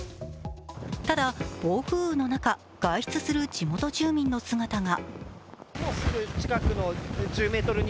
ただ、暴風雨の中外出する地元住民の姿が。